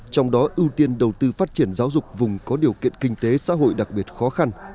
trong đó ưu tiên đầu tư phát triển giáo dục vùng có điều kiện kinh tế xã hội đặc biệt khó khăn